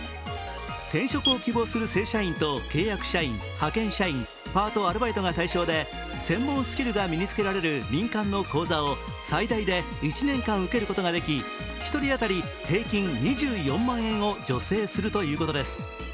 転職を希望する正社員と契約社員、派遣社員、パート・アルバイトが対象で専門スキルが身に着けられる民間の講座を最大で１年間受けることができ１人当たり平均２４万円を助成するということです。